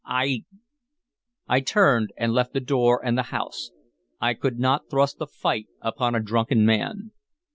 I" I turned and left the door and the house. I could not thrust a fight upon a drunken man.